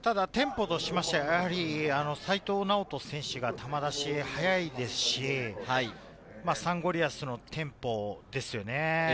ただテンポとしましては齋藤直人選手が球出し、速いですし、サンゴリアスのテンポですよね。